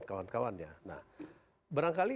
kawan kawannya nah berangkali